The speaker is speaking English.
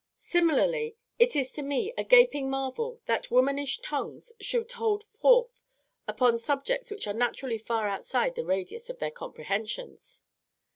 "Similarly, it is to me a gaping marvel that womanish tongues should hold forth upon subjects which are naturally far outside the radius of their comprehensions.